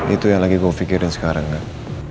itu yang lagi gue pikirin sekarang kan